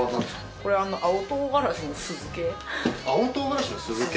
これ青唐辛子の酢漬け。